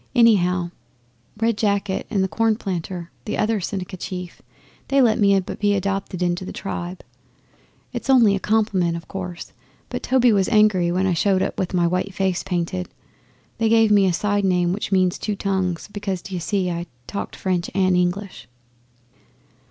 'Anyhow, Red Jacket and Cornplanter, the other Seneca chief, they let me be adopted into the tribe. It's only a compliment, of course, but Toby was angry when I showed up with my face painted. They gave me a side name which means "Two Tongues," because, d'ye see, I talked French and English.